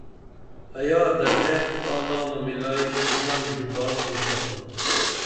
ایا دڇہ تاں نامہ مِلائی نم ژُپال تُھن سپُن